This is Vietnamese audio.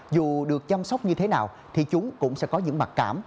dù được chăm sóc như thế nào thì chúng cũng sẽ có những mặc cảm